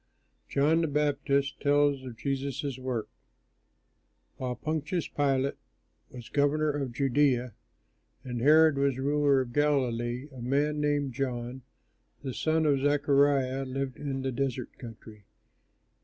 JOHN THE BAPTIST TELLS OF JESUS' WORK While Pontius Pilate was governor of Judea and Herod was ruler of Galilee, a man named John, the son of Zachariah, lived in the desert country.